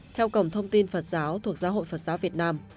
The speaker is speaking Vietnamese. theo cổng thông tin phật giáo thuộc giáo hội phật giáo việt nam